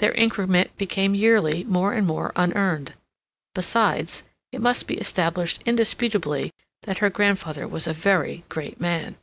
Their increment became yearly more and more unearned. Besides, it must be established indisputably that her grandfather was a very great man.